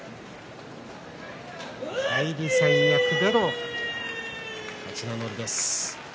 返り三役での勝ち名乗りです。